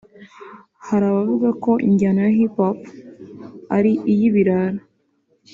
Hari abavuga ko injyana ya Hiphop ari iy’ibirara